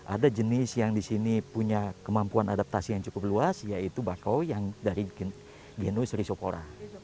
ada jenis yang di sini punya kemampuan adaptasi yang cukup luas yaitu bakau yang dari genus risopora